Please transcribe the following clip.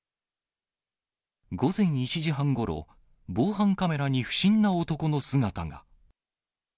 午前１時半ごろ、防犯カメラに不審な男の姿が。